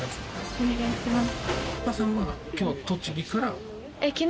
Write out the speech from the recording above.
お願いします。